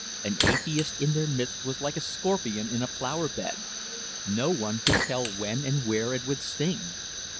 An atheist in their midst was like a scorpion in a flower bed no one could tell when and where he would sting.